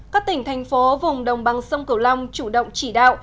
ba các tỉnh thành phố vùng đồng bằng sông kiểu long chủ động chỉ đạo